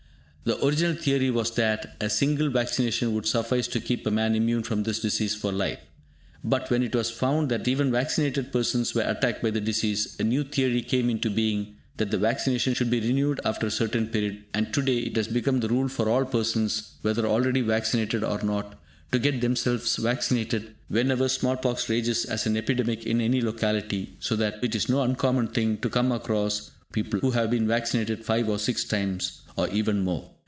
The original theory was that a single vaccination would suffice to keep a man immune from this disease for life; but, when it was found that even vaccinated persons were attacked by the disease, a new theory came into being that the vaccination should be renewed after a certain period, and to day it has become the rule for all persons whether already vaccinated or not to get themselves vaccinated whenever small pox rages as an epidemic in any locality, so that it is no uncommon thing to come across people who have been vaccinated five or six times, or even more.